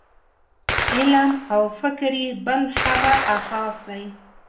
علم او فکر یې بل هغه اساس دی.